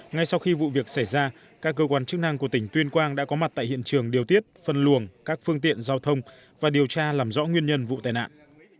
ngay sau khi vụ việc xảy ra các cơ quan chức năng của tỉnh tuyên quang đã có mặt tại hiện trường điều tiết phân luồng các phương tiện giao thông và điều tra làm rõ nguyên nhân vụ tai nạn